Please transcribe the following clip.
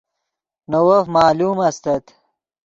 نے وف معلوم استت